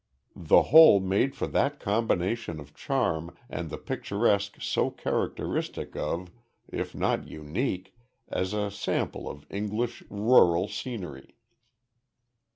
The whole made for that combination of charm and the picturesque so characteristic of, if not unique, as a sample of English rural scenery.